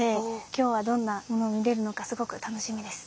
今日はどんなものを見れるのかすごく楽しみです。